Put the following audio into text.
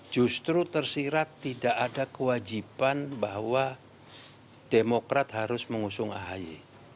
justru tersirat tidak ada kewajiban bahwa demokrat harus mengusung ahy